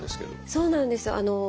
そうなんです。